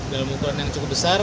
dalam ukuran yang cukup besar